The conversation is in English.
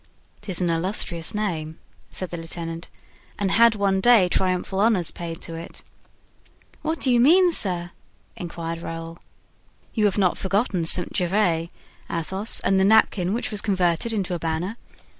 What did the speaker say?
"'Tis an illustrious name," said the lieutenant, "and had one day triumphal honors paid to it." "What do you mean, sir?" inquired Raoul. "You have not forgotten St. Gervais, Athos, and the napkin which was converted into a banner?"